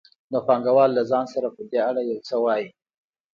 نو پانګوال له ځان سره په دې اړه یو څه وايي